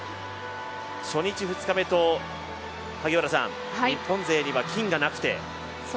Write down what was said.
初日、２日目と日本勢には金がなくて。